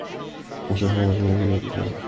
বাচ্চাটা সবসময় ক্ষুধার্ত থাকে।